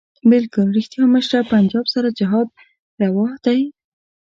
بلکل ريښتيا مشره پنجاب سره جهاد رواح دی